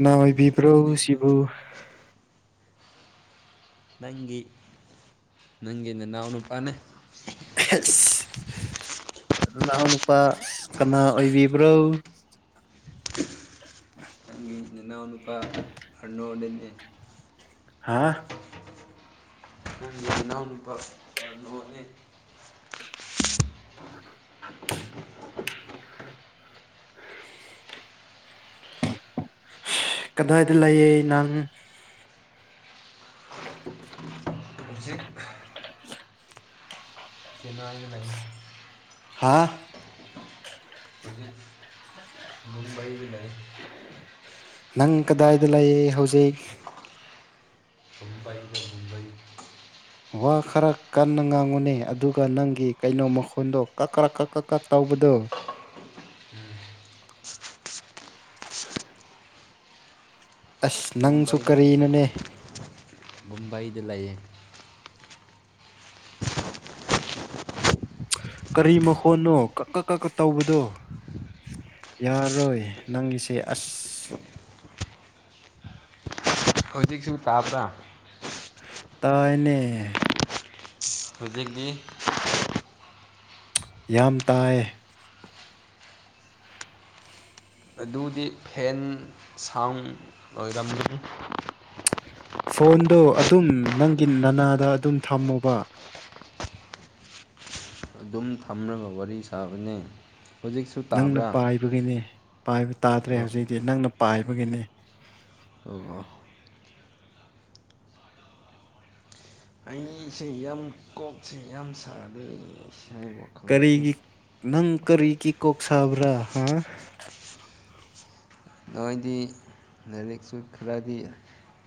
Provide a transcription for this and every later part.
ꯅꯅꯥꯥꯏꯕꯤꯕ꯭ꯔꯣ ꯁꯤꯕꯨ ꯇꯨꯝꯂꯤꯕ꯭ꯔꯣ ꯅꯪꯒꯤꯤ ꯅꯪꯒꯤꯤꯅ ꯅꯅꯥꯎꯅ ꯄꯅꯦ [unintelligible] ꯅꯍꯎ ꯅꯨꯄꯥ ꯀꯅꯥ ꯑꯣꯏꯕꯤꯕ꯭ꯔꯣ [unintelligible] ꯅꯅꯥ ꯅꯨꯨꯄꯥ ꯍꯅꯅꯤ ꯍꯥꯥ ꯅꯅꯎ ꯅꯨꯄꯥ ꯄꯔ ꯍꯣꯅꯤ [unintelligible] ꯀꯗꯥꯏꯗ ꯂꯩꯌꯦ ꯅꯪ ꯍꯧꯖꯤꯛ [unintelligible] ꯀꯩꯅꯒ ꯂꯩ ꯍꯥꯥ ꯍꯧꯈꯣꯏꯒꯤ ꯃꯨꯝꯕꯏꯗ ꯅꯪ ꯀꯗꯥꯏꯗ ꯂꯩꯌꯦ ꯍꯧꯖꯤꯛ ꯃꯨꯝꯕꯥꯏꯒ ꯃꯨꯝꯕꯩ ꯋꯥ ꯈꯔ ꯀꯟꯅ ꯉꯥꯡꯉꯨꯅꯦ ꯑꯗꯨꯒ ꯅꯪꯒꯤ ꯀꯩꯅꯣ ꯃꯈꯣꯟꯗꯣ ꯀꯛ ꯀ꯭ꯔ ꯀ ꯀ ꯀ ꯇꯧ ꯍꯥꯕꯗꯣ ꯑꯁ ꯅꯪꯁꯨ ꯃꯨꯝꯕꯩ ꯀꯔꯤꯅꯅꯦ ꯃꯨꯝꯕꯩꯗ ꯂꯩꯌꯦ ꯀꯔꯤ ꯃꯈꯣꯅꯣ ꯀꯛ ꯀ ꯀꯀ ꯇꯧꯕꯗꯣ ꯌꯥꯔꯣꯏ ꯅꯪꯒꯤꯁꯦ ꯑꯁ [unintelligible] ꯍꯧꯖꯤꯛꯁꯨ ꯇꯥꯕꯗ ꯇꯥꯏꯅꯦ ꯍꯧꯖꯤꯛꯇꯤ ꯌꯥꯝ ꯇꯥꯏ ꯑꯗꯨꯗꯤ ꯐꯦꯟ ꯁꯥꯎꯟ ꯑꯣꯏꯔꯝꯅꯤ ꯐꯣꯟꯗꯣ ꯑꯗꯨꯝ ꯅꯪꯒꯤ ꯅꯅꯥꯗ ꯑꯗꯨꯝ ꯊꯝꯃꯨꯕ ꯑꯗꯨꯨꯝ ꯊꯝꯅꯕ ꯋꯥꯔꯤ ꯁꯥꯕꯅꯦ ꯍꯧꯖꯤꯛꯁꯨ ꯅꯪꯅ ꯇꯥꯕ꯭ꯔꯥ ꯄꯥꯏꯕꯒꯤꯅꯦ ꯄꯥꯏꯕ ꯇꯥꯗ꯭ꯔꯦ ꯑꯣ ꯍꯧꯖꯤꯛꯇꯤ ꯅꯪꯅ ꯄꯥꯏꯕꯒꯤꯅꯤ ꯑꯣ ꯑꯣ ꯃꯤꯁꯦ ꯌꯥꯝ ꯀꯣꯛꯁꯦ ꯌꯥꯝ ꯁꯥꯗꯦ ꯀꯔꯤꯒꯤ ꯅꯪ ꯀꯔꯤꯒꯤ ꯀꯣꯛ ꯁꯥꯕ꯭ꯔꯥ ꯍꯥ ꯅꯣꯏꯗꯤ ꯂꯥꯏꯔꯤꯛꯁꯨ ꯈꯔꯗꯤ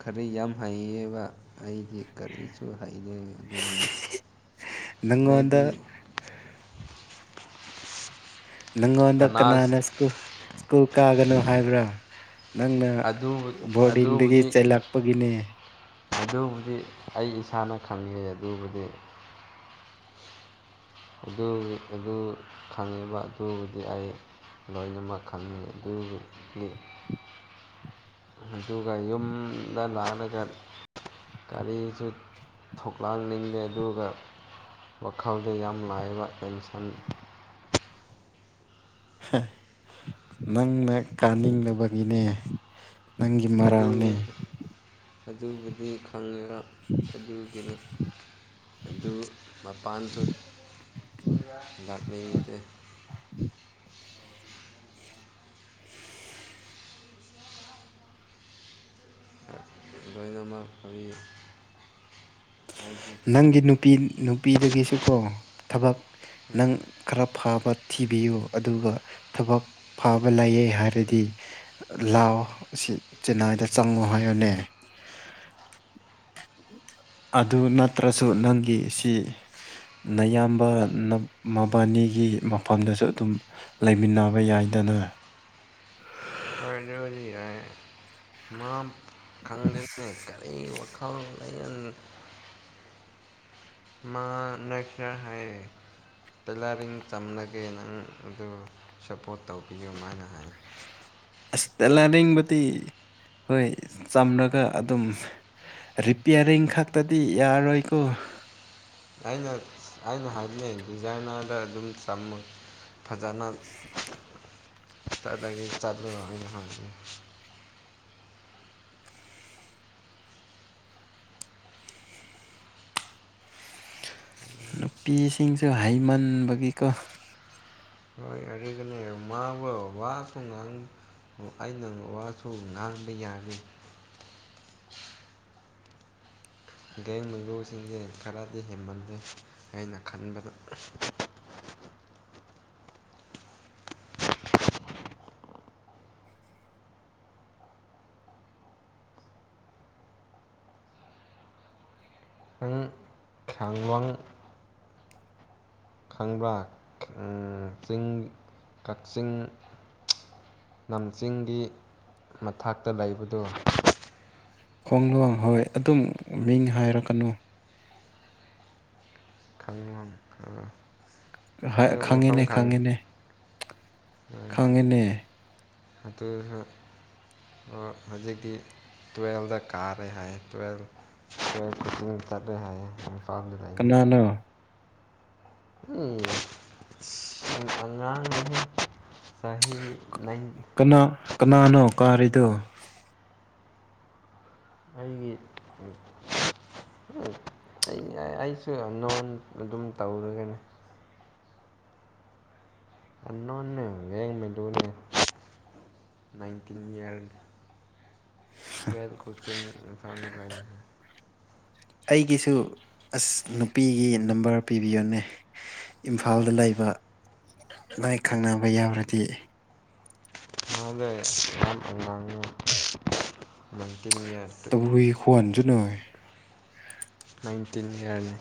ꯈꯔ ꯌꯥꯝ ꯍꯩꯌꯦꯕ ꯑꯩꯁ ꯀꯔꯤꯁꯨ ꯍꯩꯖꯩ ꯑꯗꯨꯗꯨꯅꯤ ꯅꯪꯑꯣꯟꯗ ꯅꯪꯉꯣꯟꯗ ꯀꯅꯥ ꯀꯅꯥꯅ ꯁꯨ ꯁ꯭ꯀꯨꯜ ꯀꯥꯒꯅꯣ ꯍꯥꯏꯕ꯭ꯔꯥ ꯅꯪꯅ ꯑꯗꯨꯕꯨ ꯕꯣꯔꯗꯤꯡꯗꯒꯤ ꯑꯗꯨꯕꯨꯗꯤ ꯆꯩꯂꯛꯄꯒꯤꯅꯦ ꯑꯗꯨꯕꯨꯗꯤ ꯑꯩ ꯏꯁꯥꯅ ꯈꯪꯉꯦ ꯑꯗꯨꯕꯨꯗꯤ ꯑꯗꯨꯒꯤ ꯑꯗꯨ ꯈꯪꯉꯤꯕ ꯑꯗꯨꯕꯨꯗꯤ ꯑꯩ ꯂꯣꯏꯅꯃꯛ ꯈꯟꯉ ꯑꯗꯨꯗꯤ ꯑꯗꯨꯒ ꯌꯨꯝꯗ ꯂꯥꯛꯂꯒ ꯒꯥꯔꯤꯁꯨ ꯊꯂꯛꯅꯤꯡꯗꯦ ꯑꯗꯨꯒ ꯋꯥꯈꯜꯗ ꯌꯥꯝ ꯂꯥꯏꯕ ꯇꯦꯟꯁꯟ ꯅꯪꯅ ꯀꯥꯅꯤꯡꯕꯒꯤꯅꯦ ꯅꯪꯒꯤ ꯃꯔꯥꯜꯅꯤ ꯑꯗꯨ ꯑꯗꯨꯕꯨꯗꯤ ꯈꯪꯉꯦꯔ ꯑꯗꯨꯒꯤꯅꯤ ꯑꯗꯨ ꯃꯄꯥꯟꯁꯨ ꯂꯠꯅꯗ ꯑꯣ ꯏ ꯅꯝꯕꯔ ꯀꯕꯤꯗꯒꯤ ꯅꯪꯒꯤ ꯅꯨꯄꯤ ꯅꯨꯄꯤꯗꯒꯤꯁꯨꯀꯣ ꯊꯕꯛ ꯅꯪ ꯈꯔ ꯐꯕ ꯊꯤꯕꯤꯌꯨ ꯑꯗꯨꯒ ꯊꯕꯛ ꯐꯕ ꯂꯩꯑ ꯍꯥꯏꯔꯗꯤ ꯂꯥꯎ ꯑꯁꯤ ꯆꯤꯟꯅꯥꯏꯗ ꯆꯪꯉꯨ ꯍꯥꯏ ꯍꯅꯦ [unintelligible] ꯑꯗꯨ ꯅꯠꯇ꯭ꯔꯁꯨ ꯅꯪꯒꯤ ꯁꯤ ꯅꯌꯥꯝꯕ ꯃꯕꯥꯅꯤꯒꯤ ꯃꯐꯝꯗꯁꯨ ꯑꯗꯨꯝ ꯂꯩꯃꯤꯟꯅꯕ ꯌꯥꯏꯅꯤ ꯆꯅ ꯈꯗꯣ ꯃꯥ ꯈꯪꯈ ꯀ ꯋꯥ ꯈꯪ ꯂꯩ ꯃꯥ ꯅꯦꯛꯁ ꯍꯥꯏꯌꯦ ꯇꯦꯂꯔꯤꯡ ꯆꯝꯂꯒꯦ ꯅꯪ ꯑꯗꯨ ꯁꯞꯄꯣꯔꯠ ꯇꯧꯕꯤꯌꯨꯃ ꯍꯥꯏꯅ ꯍꯥꯏ ꯂꯅꯤꯡꯕꯨꯗꯤ ꯍꯣꯏ ꯆꯝꯂꯒ ꯑꯗꯨꯝ ꯔꯔꯤꯄꯦꯌꯔꯤꯡ ꯈꯥꯛꯇꯗꯤ ꯌꯥꯔꯣꯏꯀꯣ ꯑꯩꯅ ꯑꯩꯅ ꯍꯥꯏꯅꯤꯡꯩ ꯗꯤꯖꯥꯏꯟꯗ ꯑꯗꯨꯝ ꯆꯝꯃ ꯐꯖꯅ ꯆꯠꯂꯒ ꯆꯠꯂꯨꯕ ꯑꯅ ꯍꯥꯟꯉꯦ ꯅꯨꯄꯤꯁꯤꯡꯁꯨ ꯍꯩꯃꯟꯕꯒꯤꯀꯣ ꯍꯣꯏ ꯑ ꯀꯅꯤ ꯃꯥꯕꯕꯥ ꯁꯨꯡꯉ ꯑꯣ ꯑꯩꯅ ꯋꯥꯁꯨ ꯉꯥꯡꯕ ꯌꯥꯅꯤ ꯦꯡ ꯃꯂꯨꯁꯤꯡꯁꯦ ꯈꯔꯗꯤ ꯍꯦꯟꯃꯟꯂꯦ ꯑꯩꯅ ꯈꯟꯕꯗ [unintelligible] ꯅꯪ ꯈꯥꯡꯂꯣꯡ ꯈꯪꯕ꯭ꯔꯥ ꯆꯤꯡ ꯀꯛꯆꯤꯡ ꯂꯝ ꯆꯤꯡꯒꯤ ꯃꯊꯥꯛꯇ ꯂꯩꯕꯗꯣ ꯈꯣꯡ ꯂꯣꯡ ꯍꯣꯏ ꯑꯗꯨꯝ ꯃꯤꯡ ꯍꯥꯏꯔꯛꯀꯅꯨ ꯇꯥꯡꯡꯂꯣꯡ ꯈꯪꯉꯤꯅꯦ ꯈꯪꯉꯦꯅꯦ ꯈꯪꯉꯦꯅꯦ ꯑꯗꯨ ꯍꯧꯖꯤꯛꯇꯤ ꯇꯨꯋꯗ ꯀꯥꯔꯦ ꯍꯥꯏ ꯇꯋ ꯇ ꯆꯠ ꯍꯥꯏ ꯑꯐꯥ ꯃꯗꯥꯥꯏꯒ ꯀꯅꯥꯅꯣ ꯎꯝ ꯑꯉꯥꯡ ꯁꯍ ꯅ ꯀꯅꯥ ꯀꯅꯥꯅꯣ ꯀꯥꯔꯤꯗꯣ ꯑꯩꯒꯤ ꯑꯩꯁꯨ ꯅꯣꯟ ꯑꯗꯨꯝ ꯇꯧꯔꯒꯅꯤ ꯑꯟꯅꯣꯟꯅꯉꯃꯦ ꯇꯅ ꯅꯥꯏꯟꯇꯤꯟ ꯏꯌꯥꯜ ꯇ꯭ꯋꯦꯜ ꯀꯣꯆꯤꯡ ꯐ ꯂ ꯑꯩꯒꯤꯁꯨ ꯑꯁ ꯅꯨꯄꯤꯒꯤ ꯅꯝꯕꯔ ꯄꯤꯕꯤꯌꯣꯅꯦ ꯏꯝꯐꯥꯜꯗ ꯂꯩꯕ ꯃꯥꯏ ꯈꯪꯅꯕ ꯌꯥꯎꯔꯗꯤ ꯃꯥꯗ ꯌꯥꯝ ꯐ ꯇꯧꯏ ꯈ꯭ꯋꯥꯟꯁꯨ ꯅꯣꯏ ꯅꯥꯏꯟꯇꯤꯟ ꯏꯌꯥꯔꯅꯤ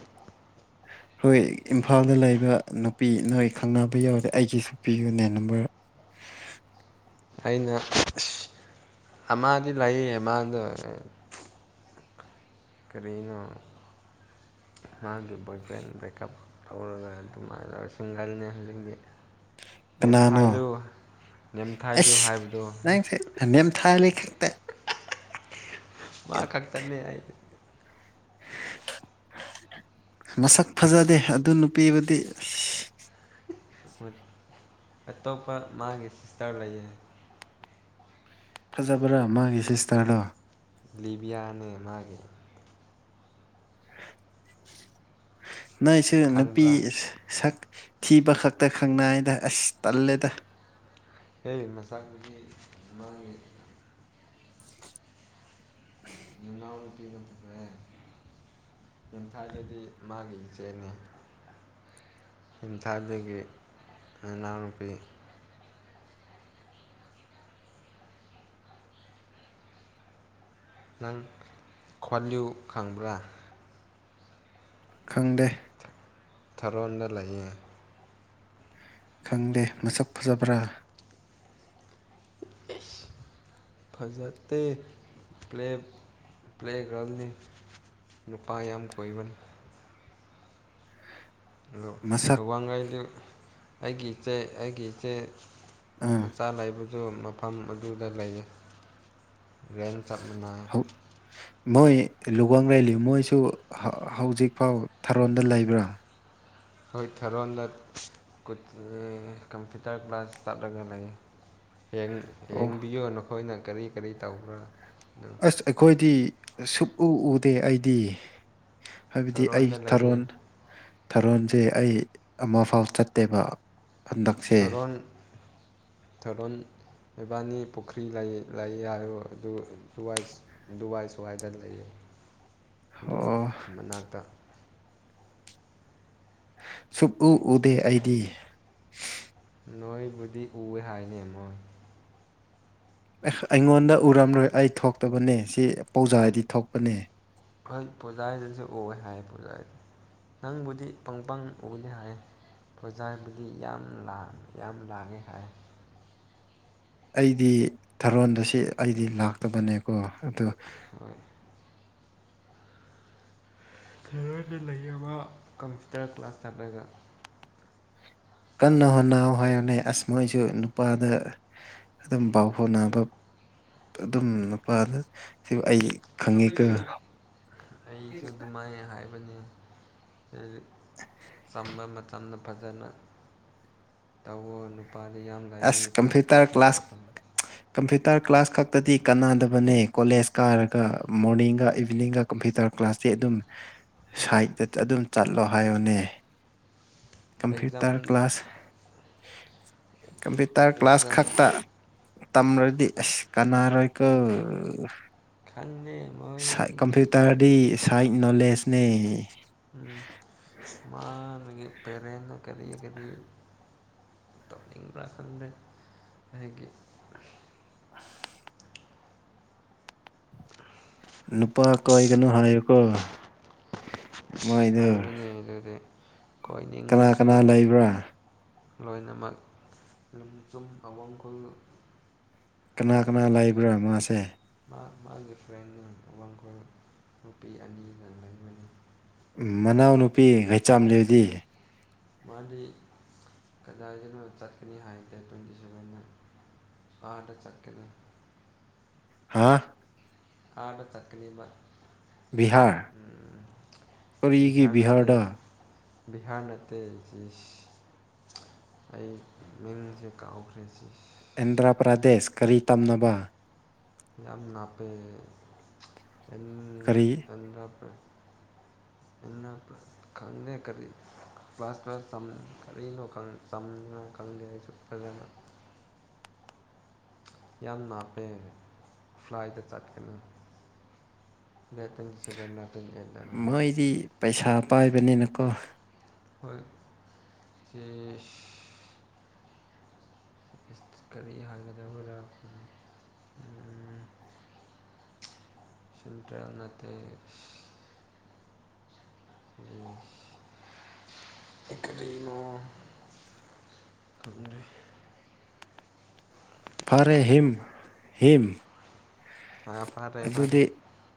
ꯍꯣꯏ ꯏꯝꯐꯥꯜꯗ ꯂꯩꯕ ꯅꯨꯄꯤ ꯅꯣꯏ ꯈꯪꯅꯕ ꯌꯥꯎꯔꯦ ꯑꯩꯒꯤꯁꯨ ꯄꯤꯌꯨ ꯅꯦꯟ ꯅꯝꯕꯔ [unintelligible] ꯑꯩꯅ ꯑꯃꯗꯤꯗꯤ ꯂꯌꯦ ꯑꯃꯗ ꯀꯔꯤꯅ ꯃꯥꯒꯤ ꯕꯣꯏ ꯐ꯭ꯔꯦꯟ ꯕ꯭ꯔꯦꯛꯀꯞ ꯇꯧꯔꯒ ꯑꯗꯨꯃ ꯁꯤꯡꯒꯔꯅꯦ ꯍꯧꯖꯤꯗꯤ ꯀꯅꯥꯅꯣꯁ ꯅꯦꯝꯊꯥꯏꯂꯨ ꯍꯥꯏꯕꯗꯣ ꯅꯪ ꯅꯦꯝ ꯊꯥ ꯇ ꯃꯥ ꯈꯛꯇꯅꯦ ꯍꯥꯏꯗꯤ [unintelligible] ꯃꯁꯛ ꯐꯖꯗꯦ ꯑꯗꯨ ꯅꯨꯄꯤꯕꯨꯗꯤ ꯑ ꯃ ꯀꯇꯣꯄ ꯃꯥꯒꯤ ꯁꯤꯁꯇꯔ ꯂꯩ ꯐꯖꯕ꯭ꯔꯥ ꯃꯥꯒꯤ ꯁꯤꯁꯇꯔꯗꯣ ꯂꯤꯕꯤꯌꯥꯅꯦ ꯃꯥꯒꯤꯦ ꯅꯪꯁꯨ ꯅꯨꯄꯤ ꯈꯪꯕ꯭ꯔꯥ ꯁꯛ ꯊꯤꯕ ꯈꯛꯇ ꯈꯪꯅꯥꯏꯗ ꯑꯁ ꯇꯜꯂꯦꯗ ꯍ ꯃꯁꯥꯗꯤ ꯃꯥꯒꯤ ꯊꯦ ꯌꯨꯝꯊꯥꯏꯗꯗꯤ ꯃꯥꯒꯤ ꯏꯆꯦꯅꯦ ꯏꯟꯊꯗꯤꯗꯒꯤ ꯑꯅꯥꯨꯄꯤ ꯅꯪ ꯈ꯭ꯋꯥꯂꯤꯌꯨ ꯈꯪꯕ꯭ꯔꯥ ꯈꯪꯗꯦ ꯊꯥꯔꯣꯟꯗ ꯂꯩꯌꯦ ꯈꯪꯗꯦ ꯃꯁꯛ ꯐꯖꯕ꯭ꯔꯥ ꯐꯖꯠꯇ ꯄ꯭ꯂꯦ ꯄ꯭ꯂꯦ ꯀꯅꯤ ꯅꯨꯄꯥ ꯌꯥꯝ ꯀꯣꯏꯕꯟ ꯑꯗꯨ ꯃꯁꯛ ꯋꯥꯡꯈꯩꯗꯤ ꯑꯩꯒꯤ ꯏꯆꯦ ꯑꯩꯒꯤ ꯏꯆꯦ ꯑꯥ ꯃꯆꯥ ꯂꯩꯕꯁꯨ ꯃꯐꯝ ꯑꯗꯨꯗ ꯂꯩꯔ ꯔꯒꯦꯟ ꯆꯞꯃꯤꯅ ꯂꯨꯒꯪ ꯂꯩꯂꯤ ꯃꯣꯏꯁꯨ ꯍꯧꯖꯤꯛ ꯐꯥꯎ ꯊꯥꯔꯣꯟꯗ ꯂꯩꯕ꯭ꯔꯥ ꯍꯣꯏ ꯊꯔꯣꯟꯗ ꯀꯝꯄ꯭ꯌꯨꯇꯔ ꯀ꯭ꯂꯥꯁ ꯆꯠꯂꯒ ꯂꯩ ꯑꯣ ꯌꯦꯡꯕꯤꯌꯨ ꯅꯈꯣꯏꯅ ꯀꯔꯤ ꯀꯔꯤ ꯇꯧꯕ꯭ꯔꯥ ꯑꯁ ꯑꯩꯈꯣꯏꯗꯤ ꯁꯨꯛꯎ ꯎꯗꯦ ꯑꯩꯗꯤ ꯍꯥꯏꯕꯗꯤ ꯑꯩ ꯊꯥꯔꯣꯟꯗ ꯂꯩꯌꯦ ꯊꯥꯔꯣꯟ ꯊꯥꯔꯣꯟꯁꯦ ꯑꯩ ꯑꯃꯐꯥꯎ ꯆꯠꯇꯦꯕ ꯍꯟꯗꯛꯁꯦ ꯊꯔꯣꯟ ꯏꯕꯥꯅꯤ ꯄꯨꯈ꯭ꯔꯤ ꯂꯩ ꯍꯥꯏꯔꯣ ꯑꯗꯨ ꯗꯨꯋꯥꯏ ꯁꯋꯥꯏꯗ ꯂꯩꯌꯦ ꯑꯗꯨ ꯑꯣ ꯃꯅꯥꯛꯇ ꯁꯨꯞꯨꯞꯎ ꯎꯗꯦ ꯑꯩꯗꯤ ꯅꯣꯏꯕꯨꯗꯤ ꯎꯋꯦ ꯍꯥꯏꯅꯦ ꯃꯣꯏ ꯑꯩꯉꯣꯟꯗ ꯎꯔꯝꯂꯣꯏ ꯑꯩ ꯊꯣꯛꯇꯕꯅꯦ ꯁꯤ ꯄꯧꯖꯥꯗꯤ ꯊꯣꯛꯄꯅꯦ ꯍꯣꯏ ꯄꯨꯖꯥꯒꯤꯗꯁꯨ ꯑꯣꯏ ꯍꯥꯏ ꯄꯨꯖꯥꯗ ꯅꯪꯕꯨꯗꯤ ꯄꯪꯄꯪ ꯎꯅꯤ ꯍꯥꯏ ꯄ꯭ꯔꯣꯖꯥꯕꯨꯗꯤ ꯌꯥꯝ ꯌꯥꯝ ꯂꯥꯡꯉꯤ ꯍꯥꯏ ꯑꯩꯗꯤ ꯊꯔꯣꯟꯗ ꯁꯤ ꯑꯩꯗꯤ ꯂꯥꯛꯇꯕꯅꯦꯀꯣ ꯑꯗꯣ ꯍꯣꯏ ꯁꯔꯅ ꯂꯩ ꯑꯃ ꯀꯝꯄ꯭ꯌꯨꯇꯔ ꯀ꯭ꯂꯥꯁ ꯇꯠꯂꯒ ꯀꯟꯅ ꯍꯣꯠꯅꯧ ꯍꯥꯏꯔꯅꯦ ꯑꯁ ꯃꯣꯏꯁꯨ ꯅꯨꯄꯥꯗ ꯑꯗꯨꯝ ꯄꯥꯎ ꯍꯣꯠꯅꯕ [unintelligible] ꯑꯗꯨꯝ ꯅꯨꯄꯥꯗ ꯁꯤꯕꯨ ꯑꯩ ꯈꯪꯉꯤ ꯑꯩꯁꯨ ꯑꯗꯨꯃꯥꯏ ꯍꯥꯏꯕꯅꯤ ꯆꯝꯕ ꯃꯇꯝꯗ ꯐꯖꯅ ꯇꯧꯋꯣ ꯃꯄꯥꯗꯤ ꯌꯥꯝ ꯂꯥꯏꯅꯤ ꯑꯁ ꯀꯝꯄ꯭ꯌꯨꯇꯔ ꯑꯐꯕ ꯀ꯭ꯂꯥꯁ ꯑꯐꯟ ꯀꯝꯄ꯭ꯌꯨꯇꯔ ꯀ꯭ꯂꯥꯁ ꯈꯛꯇꯗꯤ ꯀꯅꯥꯗꯕꯅꯦ ꯀꯣꯂꯦꯖ ꯀꯥꯔꯒ ꯃꯣꯔꯅꯤꯡꯒ ꯏꯚꯤꯅꯤꯡꯒ ꯀꯝꯄ꯭ꯌꯨꯇꯔ ꯀ꯭ꯂꯥꯁꯇꯤ ꯑꯗꯨꯝ ꯍꯣꯏ ꯁꯥꯏꯠꯇ ꯑꯗꯨꯝ ꯆꯠꯂꯣ ꯍꯥꯏꯌꯣꯅꯦ exam computer class computer class exam ꯈꯛꯇ ꯇ ꯗꯤ ꯀꯅꯥꯔꯣꯀ ꯀꯟꯦ ꯃꯣꯏꯒꯤ ꯁꯥꯏꯠ ꯅꯣꯂꯦꯖꯅꯦ ꯎ ꯃꯥ ꯄꯦꯔꯦꯟ ꯀꯔꯤ ꯀꯔꯤ ꯇꯧꯅꯤꯡꯕ꯭ꯔꯥ ꯈꯥꯟꯗ ꯑꯩꯒꯤ ꯅꯨꯄꯥ ꯀꯏ ꯀꯅꯣ ꯍꯥꯏꯔꯔꯀꯣ ꯍꯥꯏꯕꯅꯤ ꯑꯗꯨꯗꯤ ꯀꯅꯥ ꯀꯣꯏꯅꯤꯡꯉꯁꯨ ꯀꯅꯥ ꯂꯩꯕ꯭ꯔꯥ ꯂꯣꯏꯅꯃꯛ ꯂꯨꯝꯆꯨꯝ ꯑꯋꯥꯡꯈꯨꯜ ꯀꯅꯥ ꯅꯨꯄꯤ ꯀꯅꯥ ꯑꯅꯤ ꯂꯩꯕ꯭ꯔꯥ ꯃꯥꯁꯦ ꯃꯥ ꯃꯥꯒꯤ ꯐ꯭ꯔꯦꯟꯅ ꯋꯥꯡꯈꯜ ꯅꯨꯄꯤ ꯑꯅꯤꯒ ꯂꯩꯕꯅꯤ ꯎ ꯃꯅꯥꯎꯅꯨꯄꯤ ꯍꯩꯆꯥꯝ ꯂꯩꯗꯤ ꯃꯥꯗꯤ ꯀꯗꯥꯏꯗꯅꯣ ꯆꯠꯀꯅꯤ ꯍꯥꯏꯗꯦ ꯇ꯭ꯋꯦꯟꯇꯤ ꯁꯚꯦꯟꯗ ꯑꯥꯗ ꯆꯠꯀꯅꯤ ꯍꯥꯥ ꯑꯥꯗ ꯆꯠꯀꯅꯤꯕ ꯕꯤꯍꯥꯔ ꯀꯔꯤꯒꯤ ꯕꯤꯍꯥꯔꯗ ꯕꯤꯍꯥ ꯅꯠꯇꯦ ꯑꯩ ꯃꯤꯡꯁꯦ ꯀꯥꯎꯈ꯭ꯔꯦ ꯁꯤ ꯑꯟꯗ꯭ꯔꯥ ꯄ꯭ꯔꯗꯦꯁ ꯀꯔꯤ ꯇꯝꯅꯕ ꯌꯥꯝꯅꯥꯄꯦ [inaudible] [unintelligible] [unintelligible] [unintelligible] ꯀꯔꯤ [unintelligible] [unintelligible] ꯈꯪꯗꯦ ꯑꯩꯖꯨ ꯐꯖꯅ ꯌꯥꯝ ꯅꯥꯞꯄꯦ ꯐ꯭ꯂꯥꯏꯗ ꯆꯠꯀꯅꯤ ꯂꯩ ꯄꯁꯕꯅꯔ ꯃꯣꯏꯗꯤ ꯄꯩꯁꯥ ꯄꯥꯏꯕꯅꯤꯅꯀꯣ ꯍꯣꯜ ꯁꯦꯁ ꯀꯔꯤ ꯍꯥꯏꯒꯗꯕꯔ ꯁꯟꯇ꯭ꯔꯦꯜ ꯅꯠꯇꯦ ꯎ ꯑꯦ ꯀꯔꯤꯅꯣ ꯈꯪꯗ꯭ꯔꯦ ꯐꯔꯦ ꯍꯤꯝ ꯍꯤꯝ ꯑꯥ ꯐꯥꯔꯦ ꯐꯥꯔꯦ ꯑꯗꯨꯗꯤ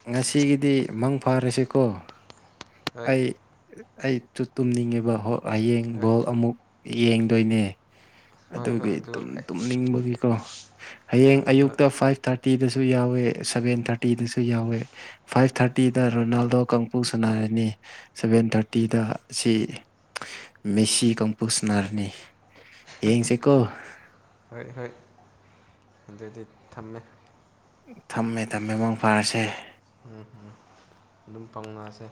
ꯉꯁꯤꯒꯤꯗꯤ ꯃꯪ ꯐꯥꯔꯁꯤꯀꯣ ꯍꯣꯏ ꯑꯩ ꯑꯩꯁꯨ ꯇꯨꯝꯅꯤꯡꯉꯤꯕ ꯍꯌꯦꯡ ꯍꯣꯏ ꯕꯣꯜ ꯑꯃꯨꯛ ꯌꯦꯡꯗꯣꯏꯅꯦ ꯍꯣꯏ ꯍꯣꯏ ꯑꯗꯨꯒꯤ ꯑꯗꯨ ꯇꯨꯝ ꯍꯣꯏ ꯇꯨꯝꯅꯤꯡꯕꯒꯤꯀꯣ ꯍꯌꯦꯡ ꯍꯣꯏ ꯑꯌꯨꯛꯇ ꯐꯥꯏꯚ ꯊꯥꯔꯇꯤꯗꯁꯨ ꯌꯥꯎꯋꯦ ꯁꯚꯦꯟ ꯊꯥꯔꯇꯤꯗꯁꯨ ꯌꯥꯎꯋꯦ ꯐꯥꯏꯚ ꯊꯥꯔꯇꯤꯗ ꯔꯣꯅꯥꯜꯗꯣ ꯀꯥꯡꯄꯨ ꯁꯅꯔꯅꯤ ꯁꯚꯦꯟ ꯊꯥꯔꯇꯤꯗ ꯑꯁꯤ ꯃꯦꯁꯤ ꯀꯥꯡꯄꯨꯁꯅꯥꯔꯅꯤ ꯍꯣꯏ ꯍꯣꯏ ꯑꯗꯨꯗꯤ ꯊꯝꯃꯦ ꯊꯝꯃꯦ ꯊꯝꯃꯦ ꯃꯪ ꯐꯥꯔꯁꯦ ꯎꯝ ꯎꯝ ꯑꯗꯨꯝ ꯐꯪꯉꯁꯦ